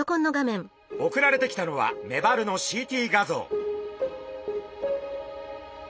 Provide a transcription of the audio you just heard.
送られてきたのはメバルのＣＴ画像。